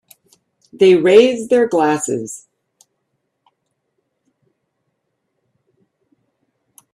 They raise their glasses.